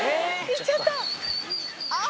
行っちゃった。